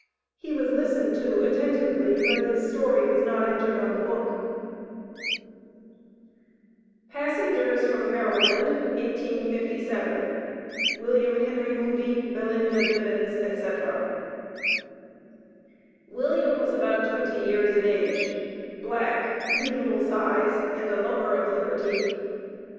He was listened to attentively, but his story was not entered on the book. PASSENGERS FROM MARYLAND, 1857. WILLIAM HENRY MOODY, BELINDA BIVANS, ETC. William was about twenty years of age, black, usual size, and a lover of liberty.